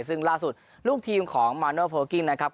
ซึ่งล่าสุดลูกทีมของมาโนโพลกิ้งนะครับ